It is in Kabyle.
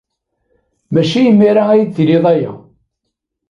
Maci imir-a ara iyi-d-tinid aya.